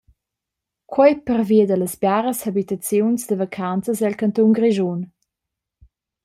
Quei pervia dallas biaras habitaziuns da vacanzas el cantun Grischun.